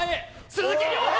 鈴木亮平！